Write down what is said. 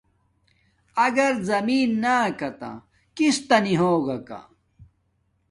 اگر زمین نا کاتہ کس تا نی ہوگاکا